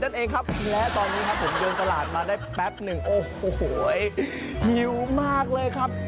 แต่ตอนนี้ครับผมเยินสลาดมาได้แป๊บนึงโอ้โหหิวมากเลยครับ